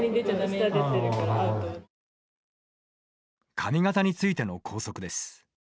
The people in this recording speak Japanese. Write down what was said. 髪型についての校則です。